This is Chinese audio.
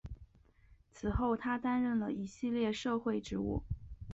此后他担任了一系列社会职务。